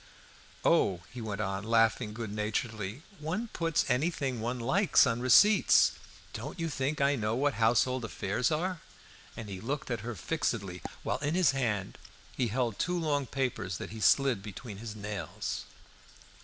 "Oh!" he went on, laughing good naturedly, "one puts anything one likes on receipts. Don't you think I know what household affairs are?" And he looked at her fixedly, while in his hand he held two long papers that he slid between his nails.